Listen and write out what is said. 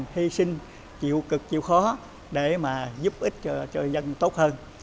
hy sinh chịu cực chịu khó để mà giúp ích cho dân tốt hơn